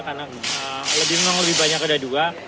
karena memang lebih banyak roda dua